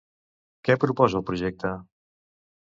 Què proposa el projecte?